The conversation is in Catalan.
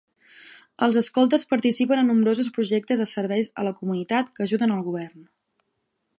Els escoltes participen en nombrosos projectes de serveis a la comunitat que ajuden al govern.